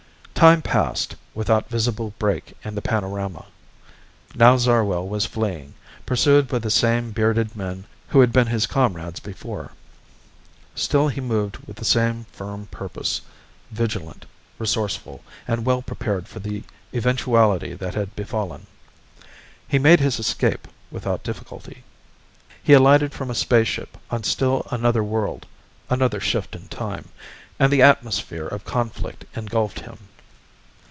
Time passed, without visible break in the panorama. Now Zarwell was fleeing, pursued by the same bearded men who had been his comrades before. Still he moved with the same firm purpose, vigilant, resourceful, and well prepared for the eventuality that had befallen. He made his escape without difficulty. He alighted from a space ship on still another world another shift in time and the atmosphere of conflict engulfed him.